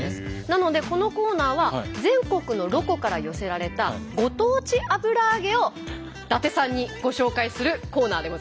なのでこのコーナーは全国のロコから寄せられたご当地油揚げを伊達さんにご紹介するコーナーでございます。